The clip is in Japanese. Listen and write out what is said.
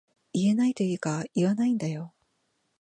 言えないというか言わないんだよ